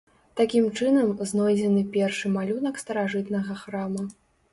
Такім чынам, знойдзены першы малюнак старажытнага храма.